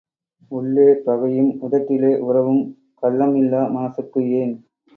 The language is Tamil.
உள்ளே பகையும் உதட்டிலே உறவும் கள்ளம் இல்லா மனசுக்கு ஏன்?